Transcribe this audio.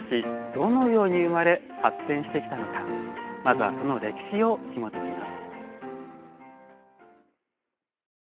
どのように生まれ発展してきたのかまずはその歴史をひもときます。